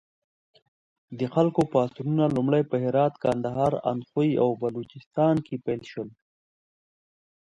د خلکو پاڅونونه لومړی په هرات، کندهار، اندخوی او بلوچستان کې پیل شول.